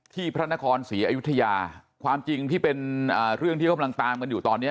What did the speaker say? พระนครศรีอยุธยาความจริงที่เป็นเรื่องที่เขากำลังตามกันอยู่ตอนนี้